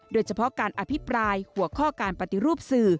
โดยเฉพาะการอภิปรายหัวข้อการปฏิรูปสื่อ